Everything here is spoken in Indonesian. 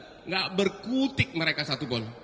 tidak berkutik mereka satu gol